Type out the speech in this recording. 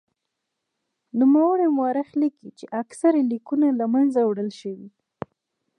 نوموړی مورخ لیکي چې اکثر لیکونه له منځه وړل شوي.